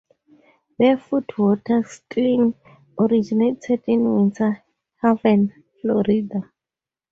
Barefoot water skiing originated in Winter Haven, Florida.